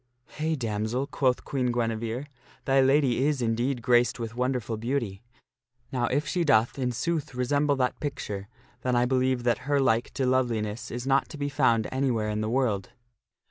" Hey, damsel !" quoth Queen Guinevere, " thy lady is, indeed, graced with wonderful beauty. Now if she doth in sooth resemble that picture, then I believe that her like to loveliness is not to be found anywhere in the world."